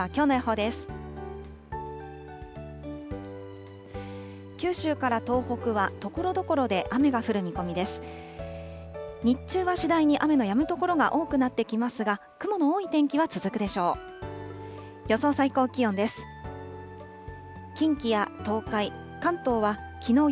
日中は次第に雨のやむ所が多くなってきますが、雲の多い天気は続くでしょう。